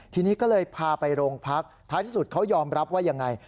ทีนี้ก็เลยพาไปโรงพักท้ายที่สุดเขายอมรับว่ายังไง